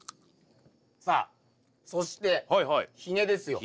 さあそしてひげですよ。